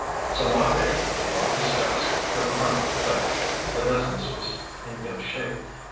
So one day he locked his desk with a final click. The business was in good shape.